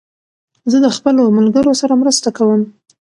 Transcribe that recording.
زه د خپلو ملګرو سره مرسته کوم.